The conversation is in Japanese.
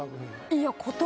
いや。